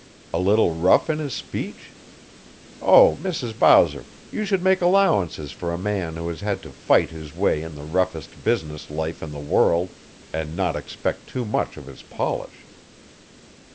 "A little rough in his speech? Oh, Mrs. Bowser, you should make allowances for a man who has had to fight his way in the roughest business life in the world, and not expect too much of his polish."